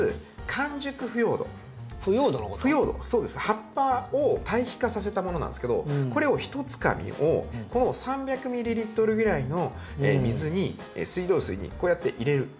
葉っぱを堆肥化させたものなんですけどこれをひとつかみをこの３００ｍＬぐらいの水に水道水にこうやって入れる。